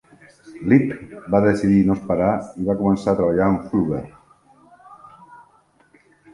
Leeb va decidir no esperar i va començar a treballar amb Fulber.